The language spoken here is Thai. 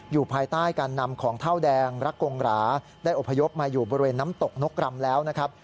อยู่ภายใต้การนำของเท่าแดงรักกงหราได้อพยพมาอยู่บริเวณน้ำตกนกรำแล้วนะครับ